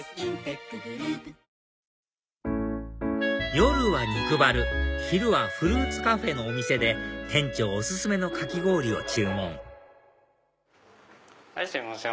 夜は肉バル昼はフルーツカフェのお店で店長お薦めのかき氷を注文すいません